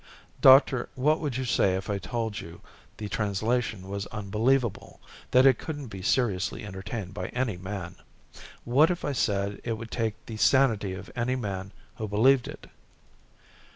"Doctor, what would you say if I told you the translation was unbelievable; that it couldn't be seriously entertained by any man? What if I said that it would take the sanity of any man who believed it?"